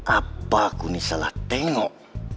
apa aku salah lihat